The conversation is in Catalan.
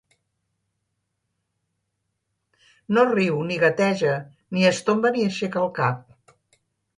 No riu ni gateja ni es tomba ni aixeca el cap...